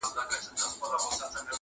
سړي وایې موږکانو دا کار کړﺉ،